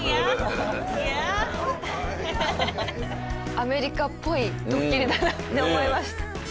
アメリカっぽいドッキリだなって思いました。